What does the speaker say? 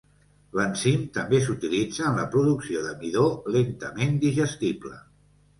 L'enzim també s'utilitza en la producció de midó lentament digestible.